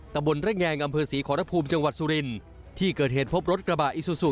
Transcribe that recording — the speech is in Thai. ตะบนระแงงอำเภอศรีขอรภูมิจังหวัดสุรินที่เกิดเหตุพบรถกระบะอิซูซู